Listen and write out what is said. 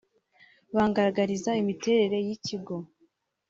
bangaragariza imiterere y’ikigo